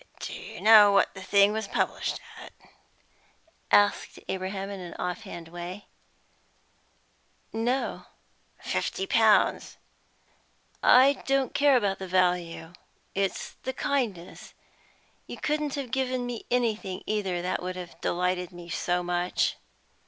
"Do you know what the thing was published at?" asked Abraham in an off hand way. "No." "Fifty pounds." "I don't care about the value. It's the kindness. You couldn't have given me anything, either, that would have delighted me so much."